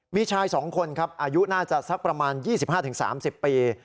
มีชาย๒คนครับอายุน่าจะสักประมาณ๒๕๓๐ปี